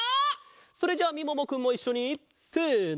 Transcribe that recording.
それじゃあみももくんもいっしょにせの。